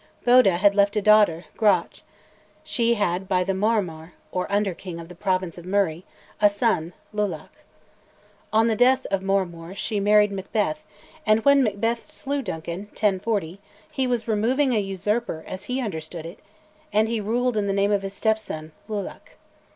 Boedhe had left a daughter, Gruach; she had by the Mormaor, or under king of the province of Murray, a son, Lulach. On the death of the Mormaor she married Macbeth, and when Macbeth slew Duncan (1040), he was removing a usurper as he understood it and he ruled in the name of his stepson, Lulach.